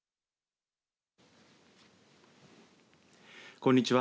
こんにちは。